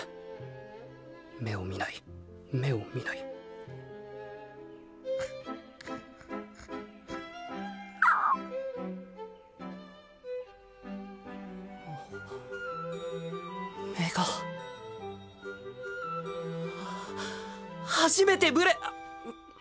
目を見ない目を見ない目が初めてブレッ！